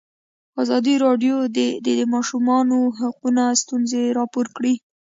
ازادي راډیو د د ماشومانو حقونه ستونزې راپور کړي.